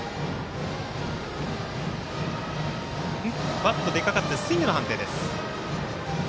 バット出かかってスイングの判定です。